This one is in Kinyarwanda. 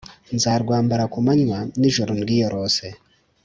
nzarwambara ku manywa, nijoro ndwiyorose, …”